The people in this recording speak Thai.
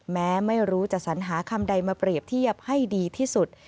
แม้ไม่รู้จะสัญหาคำใดมาเปรียบเทียบให้ดีที่สุด